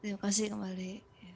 terima kasih mbak li